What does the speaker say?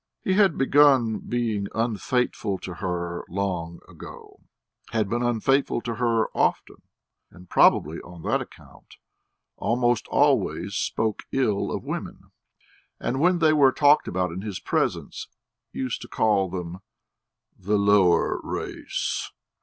He had begun being unfaithful to her long ago had been unfaithful to her often, and, probably on that account, almost always spoke ill of women, and when they were talked about in his presence, used to call them "the lower race."